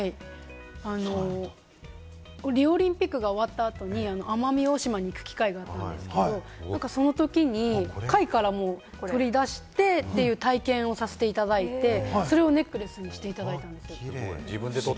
リオオリンピックが終わった後に奄美大島に行く機会があったんですけれども、その時に貝から取り出してという体験をさせていただいて、それをネックレスにしていただいて。